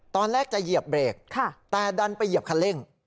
ตอนแรกจะเหยียบเบรกแต่ดันไปเหยียบคันเร่ง